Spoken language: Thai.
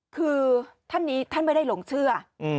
คือท่านนี้ท่านไม่ได้หลงเชื่อ